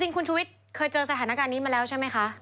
คุณชุวิตเคยเจอสถานการณ์นี้มาแล้วใช่ไหมคะ